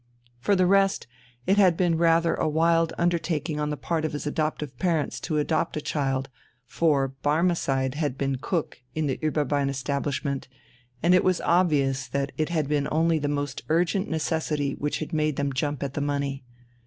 For the rest, it had been rather a wild undertaking on the part of his adoptive parents to adopt a child, for "Barmecide had been cook" in the Ueberbein establishment, and it was obvious that it had been only the most urgent necessity which had made them jump at the money.